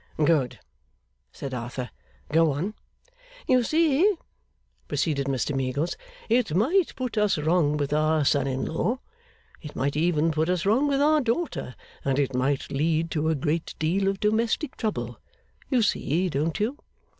'Good,' said Arthur. 'Go on.' 'You see,' proceeded Mr Meagles 'it might put us wrong with our son in law, it might even put us wrong with our daughter, and it might lead to a great deal of domestic trouble. You see, don't you?